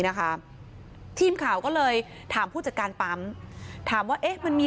นะคะทีมข่าวก็เลยถามผู้จัดการปั๊มถามว่าเอ๊ะมันมี